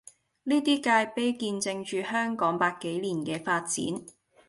呢啲界碑見證住香港百幾年嘅發展